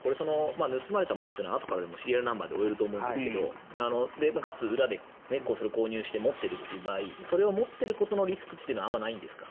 盗まれたものはあとからでもシリアルナンバーで追えると思うんですがかつ、裏で購入して持っている場合それを持っていることのリスクはあまりないんですか。